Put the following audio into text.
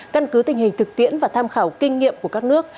căn cứ tình hình thực tiễn và tham khảo kinh nghiệm của các nước